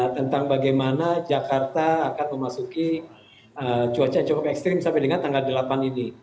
tentang bagaimana jakarta akan memasuki cuaca yang cukup ekstrim sampai dengan tanggal delapan ini